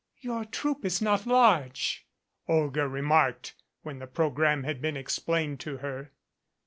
"Your troupe is not large," Olga remarked when the program had been explained to her.